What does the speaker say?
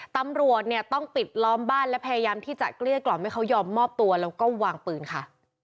ตำรวจเนี่ยต้องปิดล้อมบ้านและพยายามที่จะเกลี้ยกล่อมให้เขายอมมอบตัวแล้วก็วางปืนค่ะ